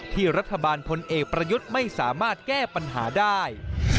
ที่รัฐบาลพลเอกประยุทธ์ไม่สามารถแก้ปัญหาได้